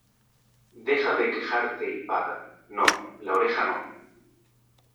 Deja de quejarte y paga. No, la oreja no .